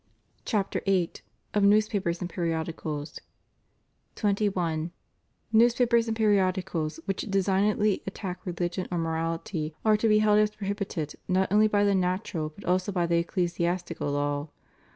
CHAPTER VIII. Of Newspapers and Periodicals. 21. Newspapers and periodicals which designedly at tack religion or morality are to be held as prohibited not only by the natural but also by the ecclesiastical law.